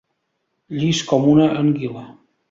Llis com una anguila.